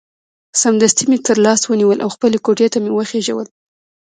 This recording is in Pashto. سمدستي به مې تر لاس ونیول او خپلې کوټې ته به مې وخېژول.